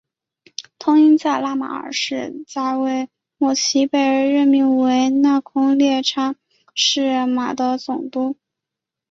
通因在拉玛二世在位末期被任命为那空叻差是玛的总督。